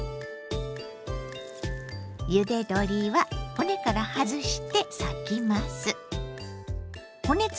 ゆで鶏は骨から外して裂きます。